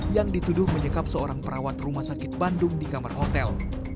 yang dituduh menyekap seorang perawat rumah sakit bandung di kamar hotel